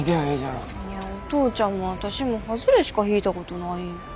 いやお父ちゃんも私もハズレしか引いたことないん。